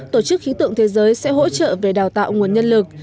tổ chức khí tượng thế giới sẽ hỗ trợ về đào tạo nguồn nhân lực